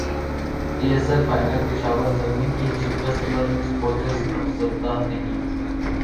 پی S L final Peshawar Zalmi کی شکست پر سپورٹرز افسردہ نہیں